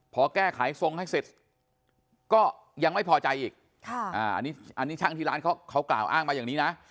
พอแก้ไขทรงให้เสร็จก็ยังไม่พอใจอีกอันนี้ช่างที่ร้านเขากล่าวอ้างมาอย่างนี้นะ